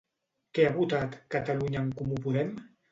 Què ha votat Catalunya en Comú-Podem?